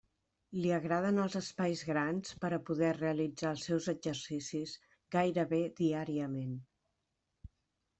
Li agraden els espais grans per a poder realitzar els seus exercicis gairebé diàriament.